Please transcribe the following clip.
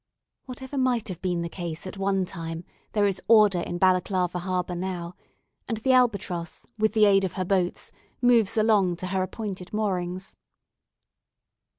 Whatever might have been the case at one time, there is order in Balaclava Harbour now, and the "Albatross," with the aid of her boats, moves along to her appointed moorings.